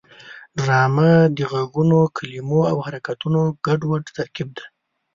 ډرامه د غږونو، کلمو او حرکتونو ګډوډ ترکیب دی